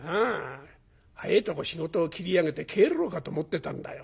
早えとこ仕事を切り上げて帰ろうかと思ってたんだよ。